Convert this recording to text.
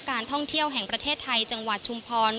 การท่องเที่ยวแห่งประเทศไทยจังหวัดชุมพร